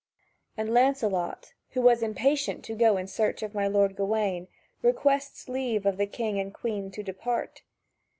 And Lancelot, who was impatient to go in search of my lord Gawain, requests leave of the king and Queen to depart.